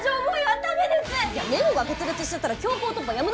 いやネゴが決裂しちゃったら強行突破やむなしだっての！